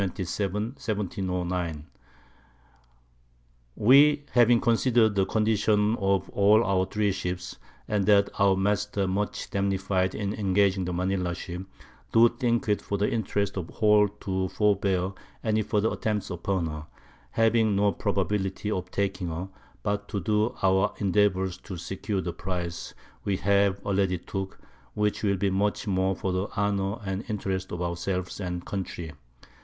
1709_. We having consider'd the Condition of all our 3 Ships, and that our Masts are much damnified in engaging the Manila _Ship, do think it for the Interest of the whole to forbear any further Attempts upon her, having no Probability of taking her, but to do our endeavours to secure the Prize we have already took, which will be much more for the Honour and Interest of our selves and Country.